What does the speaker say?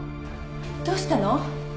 どうしたの？